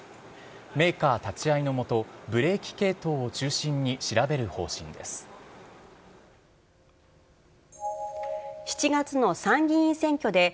メーカー立ち会いの下、ブレーキ系統を中心に調べる方針です。